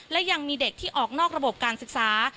และยังมีเด็กที่ออกนอกระบบการศึกษา